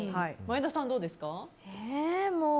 前田さん、どうですか。